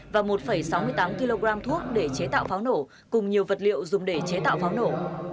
và một sáu mươi tám kg thuốc để chế tạo pháo nổ cùng nhiều vật liệu dùng để chế tạo pháo nổ